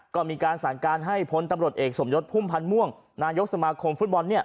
ก็มีการสารการให้พ้นตำรสเอกสมยศพุ่มพันม่วงนายกสมาคมฟุตบอลเนี่ย